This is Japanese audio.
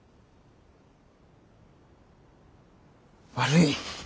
悪い。